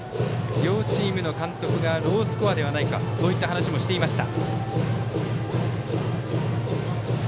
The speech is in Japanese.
両チームの監督がロースコアではないかといった話もしていました。